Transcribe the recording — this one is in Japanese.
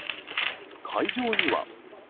会場には。